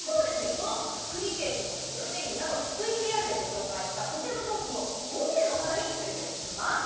このクリケットのプロテインなどＶＴＲでご紹介したこちらの商品を５名の方にプレゼントします